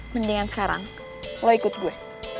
mendingan sekarang lo ikut gue